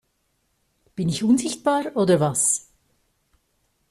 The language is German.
Bin ich unsichtbar oder was?